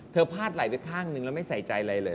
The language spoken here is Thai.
พลาดไหลไปข้างนึงแล้วไม่ใส่ใจอะไรเลย